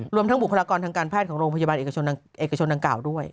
รวมทั้งบุคลากรทางการแพทย์ของโรงพยาบาลเอกชนดังกล่าวด้วย